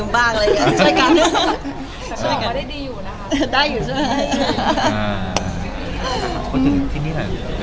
อ๋อภาพยนตร์